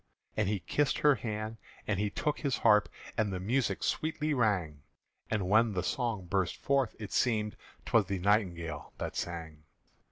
And he kissed her hand and took his harp, And the music sweetly rang; And when the song burst forth, it seemed 'T was the nightingale that sang.